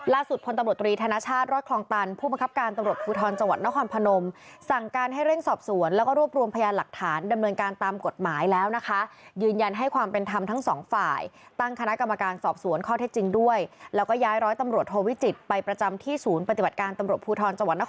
พลตำรวจตรีธนชาติรอดคลองตันผู้บังคับการตำรวจภูทรจังหวัดนครพนมสั่งการให้เร่งสอบสวนแล้วก็รวบรวมพยานหลักฐานดำเนินการตามกฎหมายแล้วนะคะยืนยันให้ความเป็นธรรมทั้งสองฝ่ายตั้งคณะกรรมการสอบสวนข้อเท็จจริงด้วยแล้วก็ย้ายร้อยตำรวจโทวิจิตไปประจำที่ศูนย์ปฏิบัติการตำรวจภูทรจังหวัดน